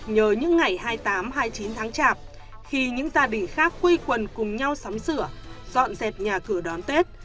nhờ những ngày hai mươi tám hai mươi chín tháng chạp khi những gia đình khác quây quần cùng nhau sắm sửa dọn dẹp nhà cửa đón tết